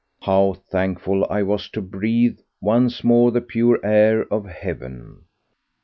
How thankful I was to breathe once more the pure air of heaven.